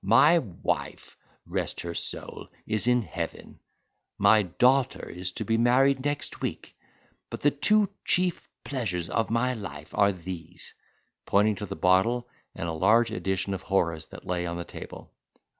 My wife, rest her soul, is in heaven. My daughter is to be married next week; but the two chief pleasures of my life are these (pointing to the bottle and a large edition of Horace that lay on the table).